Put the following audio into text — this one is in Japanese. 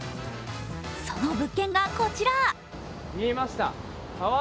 その物件がこちら。